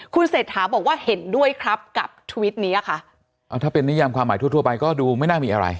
คุณเศรษฐาบอกว่าเห็นด้วยครับกับทวิตนี้ค่ะอ่าถ้าเป็นนิยามความหมายทั่วทั่วไปก็ดูไม่น่ามีอะไร